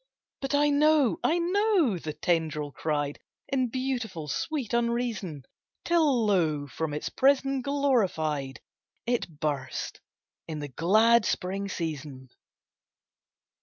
"But I know, I know," the tendril cried, In beautiful sweet unreason; Till lo! from its prison, glorified, It burst in the glad spring season.